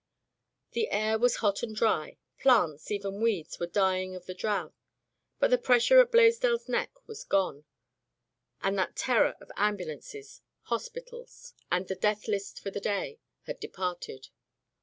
The air was hot and dry; plants, even weeds, were dying of the drouth, but the pressure at Blaisdell's neck was gone, and that terror of ambulances, hospitals, and the "Death List for the Day'' had departed.